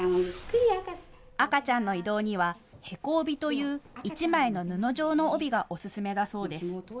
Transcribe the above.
赤ちゃんの移動にはへこ帯という１枚の布状の帯がおすすめだそうです。